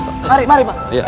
mari mari pak